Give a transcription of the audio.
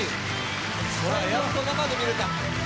やっと生で見れた。